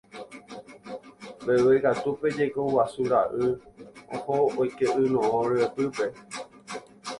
Mbeguekatúpe jeko guasu ra'y oho oike yno'õ ryepýpe.